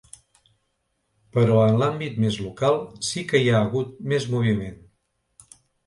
Però en l’àmbit més local, sí que hi ha hagut més moviment.